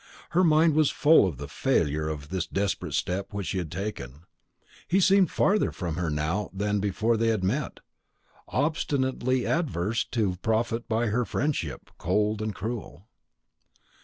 Her mind was full of the failure of this desperate step which she had taken. He seemed farther from her now than before they had met, obstinately adverse to profit by her friendship, cold and cruel.